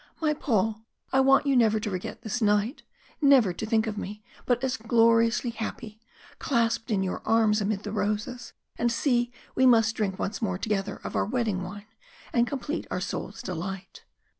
"My Paul, I want you never to forget this night never to think of me but as gloriously happy, clasped in your arms amid the roses. And see, we must drink once more together of our wedding wine, and complete our souls' delight."